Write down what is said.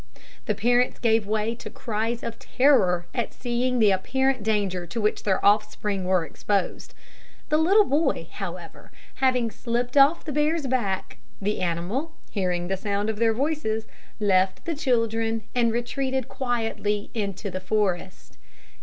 The parents gave way to cries of terror at seeing the apparent danger to which their offspring were exposed. The little boy, however, having slipped off the bear's back, the animal, hearing the sound of their voices, left the children, and retreated quietly into the forest.